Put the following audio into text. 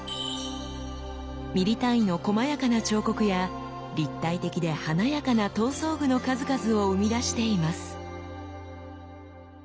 ミリ単位のこまやかな彫刻や立体的で華やかな刀装具の数々を生み出しています。